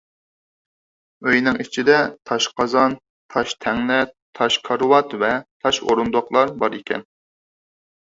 ئۆينىڭ ئىچىدە تاش قازان، تاش تەڭنە، تاش كارىۋات ۋە تاش ئورۇندۇقلار بار ئىكەن.